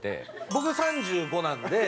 僕３５なんで。